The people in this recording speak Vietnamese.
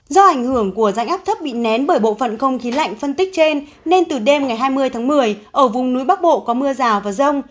do ảnh hưởng của rãnh áp thấp bị nén bởi bộ phận không khí lạnh phân tích trên nên từ đêm ngày hai mươi tháng một mươi ở vùng núi bắc bộ có mưa rào và rông